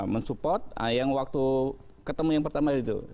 men support yang waktu ketemu yang pertama itu